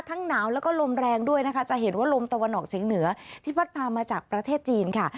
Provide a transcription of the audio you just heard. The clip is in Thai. หนาวแล้วก็ลมแรงด้วยนะคะจะเห็นว่าลมตะวันออกเฉียงเหนือที่พัดพามาจากประเทศจีนค่ะ